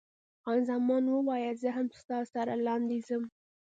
خان زمان وویل، زه هم ستا سره لاندې ځم.